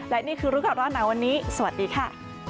และนี่คือรู้ก่อนร้อนหนาวันนี้สวัสดีค่ะ